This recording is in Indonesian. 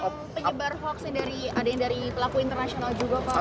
penyebar hukum dari pelaku internasional juga pak